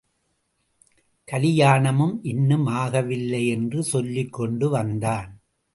கலியாணமும் இன்னும் ஆகவில்லை என்று சொல்லிக் கொண்டு வந்தான்.